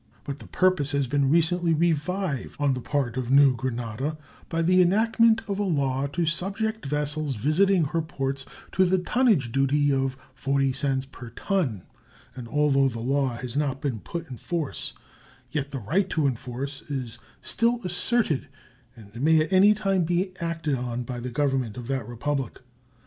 But the purpose has been recently revived on the part of New Granada by the enactment of a law to subject vessels visiting her ports to the tonnage duty of 40 cents per ton, and although the law has not been put in force, yet the right to enforce it is still asserted and may at any time be acted on by the Government of that Republic.